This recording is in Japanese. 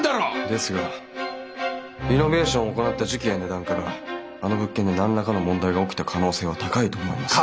ですがリノベーションを行った時期や値段からあの物件で何らかの問題が起きた可能性は高いと思います。